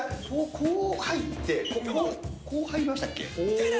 こう入って、こここう入りましたっけ？